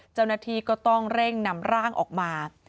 เจ้าหน้าที่ก็ต้องเร่งนำร่างออกมา